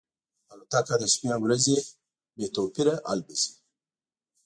الوتکه د شپې او ورځې بې توپیره الوزي.